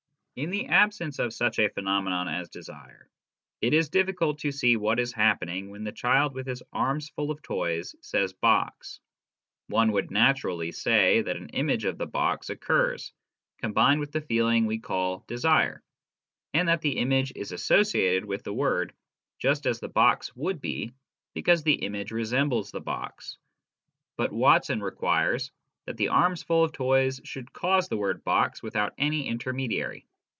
In the absence of such a phenomenon as desire, it is difficult to see what is happening when the child with his arms full of toys says " box." One would naturally say that an image of the box occurs, combined with the feeling we call " desire," and that the image is associated with the word just as the object would be, because the image resembles the object. But Watson requires that the arms full of toys should cause the word " box " without any intermediary.